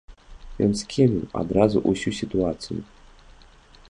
Ён скеміў адразу ўсю сітуацыю.